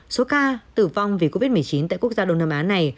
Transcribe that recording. số ca tử vong vì covid một mươi chín tại quốc gia đông nam á này